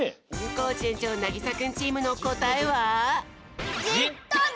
コージ園長なぎさくんチームのこたえは？